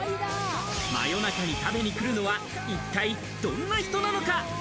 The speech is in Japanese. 真夜中に食べに来るのは一体どんな人なのか？